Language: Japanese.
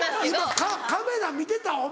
今カメラ見てた？